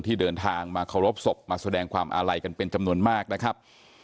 เดินทางมาเคารพศพมาแสดงความอาลัยกันเป็นจำนวนมากนะครับ